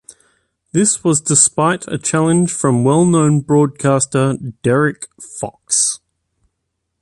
This was despite a challenge from well-known broadcaster Derek Fox.